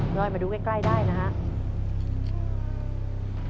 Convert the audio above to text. พี่อ้อยมาดูใกล้ได้นะครับ